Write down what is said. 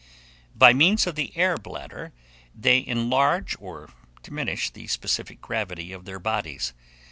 By means of the air bladder they enlarge or diminish the specific gravity of their bodies.